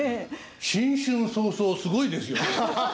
新春早々すごいですよ。